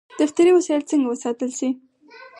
دفتري وسایل څنګه وساتل شي؟